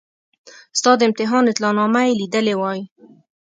ستا د امتحان اطلاع نامه یې لیدلې وای.